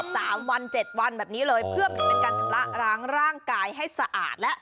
สามวันเจ็ดวันแบบนี้เลยเพื่อเป็นการละล้างร่างกายให้สะอาดและ